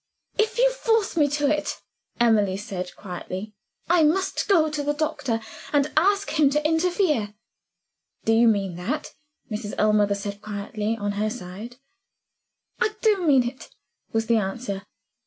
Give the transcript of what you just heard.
"If you force me to it," Emily said, quietly, "I must go to the doctor, and ask him to interfere." "Do you mean that?" Mrs. Ellmother said, quietly, on her side. "I do mean it," was the answer.